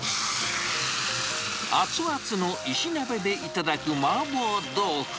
熱々の石鍋で頂く麻婆豆腐。